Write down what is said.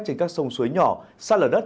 trên các sông suối nhỏ xa lở đất